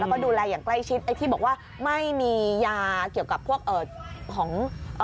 แล้วก็ดูแลอย่างใกล้ชิดไอ้ที่บอกว่าไม่มียาเกี่ยวกับพวกเอ่อของเอ่อ